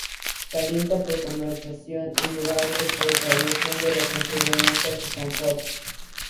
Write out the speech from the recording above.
Calientan por convección en lugar de por radiación, lo que contribuye a su confort.